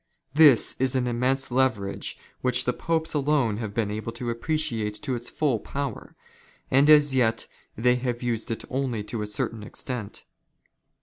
This is an immense leverage which the Popes " alone have been able to appreciate to its full power, and as yet " they have used it only to a certain extent.